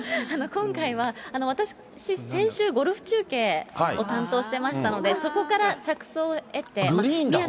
今回は私、先週ゴルフ中継を担当してましたので、そこから着想を得て。